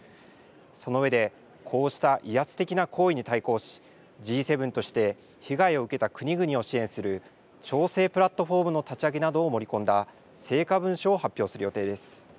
そのうえでこうした威圧的な行為に対抗しＧ７として被害を受けた国々を支援する調整プラットフォームの立ち上げなどを盛り込んだ成果文書を発表する予定です。